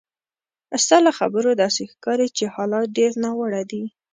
ستا له خبرو داسې ښکاري چې حالات ډېر ناوړه دي.